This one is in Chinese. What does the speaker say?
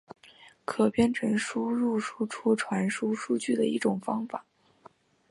可编程输入输出传输数据的一种方法。